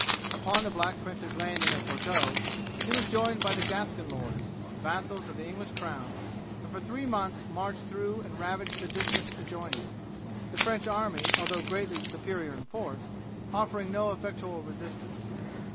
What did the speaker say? Upon the Black Prince's landing at Bordeaux he was joined by the Gascon lords, the vassals of the English crown, and for three months marched through and ravaged the districts adjoining, the French army, although greatly superior in force, offering no effectual resistance.